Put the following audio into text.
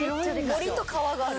森と川がある。